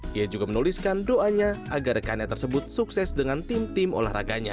dia juga menuliskan doanya agar rekannya tersebut sukses dengan tim tim olahraganya